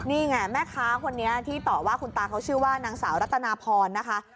นี่ไงแม่ค้าคนนี้ที่ต่อว่าคุณตาเขาชื่อว่านางสาวรัตนาพรนะคะ